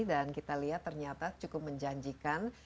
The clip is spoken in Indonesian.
dan kita lihat ternyata cukup menjanjikan